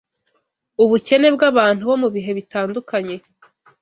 ubukene bw’abantu bo mu bihe bitandukanye